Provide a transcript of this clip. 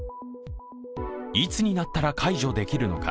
いつになったら解除できるのか。